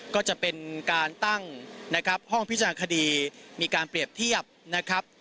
ก็จะเป็นการตั้งนะครับห้องพิจารณาคดีมีการเปรียบเทียบนะครับ